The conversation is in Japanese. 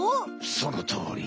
そのとおり！